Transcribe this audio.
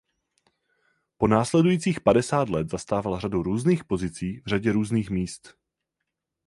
Po následujících padesát let zastával řadu různých pozicí v řadě různých míst.